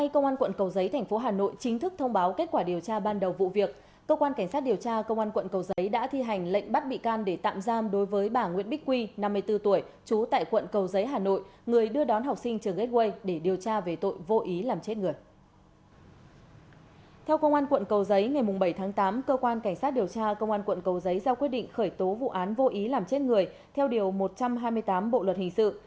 câu giấy ngày bảy tháng tám cơ quan cảnh sát điều tra công an quận cầu giấy giao quyết định khởi tố vụ án vô ý làm chết người theo điều một trăm hai mươi tám bộ luật hình sự